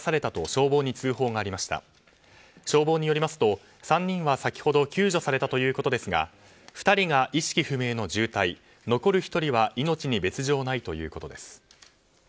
消防によりますと３人は先ほど救助されたということですが２人が意識不明の重体残る１人は命に別条ないということです。